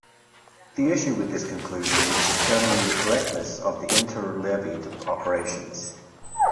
The issue with this conclusion is determining the correctness of the interleaved operations.